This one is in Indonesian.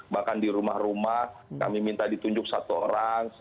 bahkan di rumah rumah kami minta ditunjuk satu orang